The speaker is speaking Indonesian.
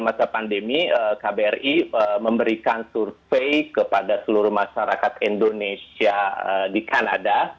masa pandemi kbri memberikan survei kepada seluruh masyarakat indonesia di kanada